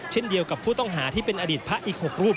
เช่นเดียวกับผู้ต้องหาที่เป็นอดีตพระอีก๖รูป